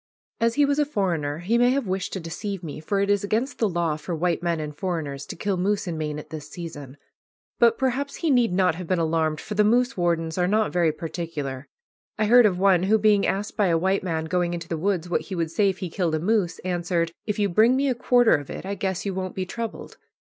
As he was a foreigner, he may have wished to deceive me, for it is against the law for white men and foreigners to kill moose in Maine at this season. But perhaps he need not have been alarmed, for the moose wardens are not very particular. I heard of one who, being asked by a white man going into the woods what he would say if he killed a moose, answered, "If you bring me a quarter of it I guess you won't be troubled."